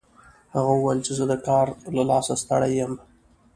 هغه وویل چې زه د کار له لاسه ستړی یم